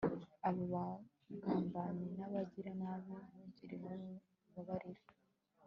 abo bagambanyi b'abagiranabi, ntugire n'umwe ubabarira